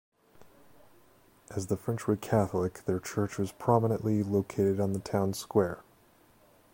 As the French were Catholic, their church was prominently located on the town square.